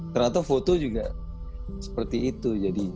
ternyata foto juga seperti itu